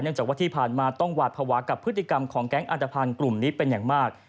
จากว่าที่ผ่านมาต้องหวาดภาวะกับพฤติกรรมของแก๊งอันตภัณฑ์กลุ่มนี้เป็นอย่างมาก